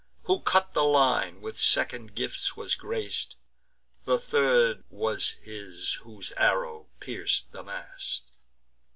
Who cut the line, with second gifts was grac'd; The third was his whose arrow pierc'd the mast.